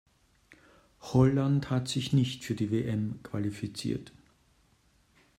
Holland hat sich nicht für die WM qualifiziert.